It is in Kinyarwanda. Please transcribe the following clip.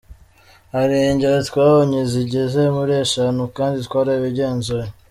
Hari ingero twabonye zigeze muri eshanu kandi twarabigenzuye.